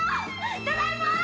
ただいま！